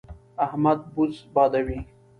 احمد بوس بادوي.